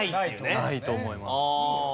ないと思います。